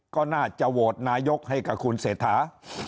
ก็น่าจะโหวตนายกให้กับคุณเศรษฐา